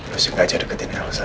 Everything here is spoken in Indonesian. lo sengaja deketin elsa